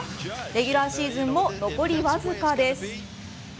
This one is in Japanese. レギュラーシーズンも残りわずかです。